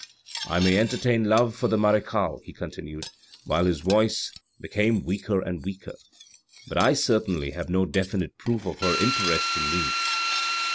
" I may entertain love for the marechale," he continued, while his voice became weaker and weaker, " but I certainly have no definite proof of her interest in me."